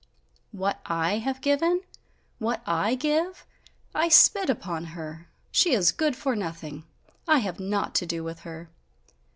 "What I have given? What I give? I spit upon her! She is good for nothing! I have nought to do with her.